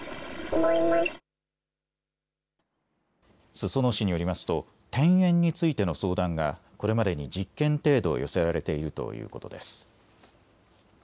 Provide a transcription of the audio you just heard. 裾野市によりますと転園についての相談がこれまでに１０件程度寄せられているということです。